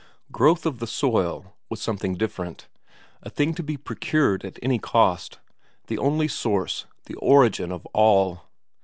Growth of the soil was something different, a thing to be procured at any cost; the only source, the origin of all.